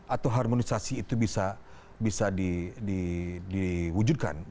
atau harmonisasi itu bisa diwujudkan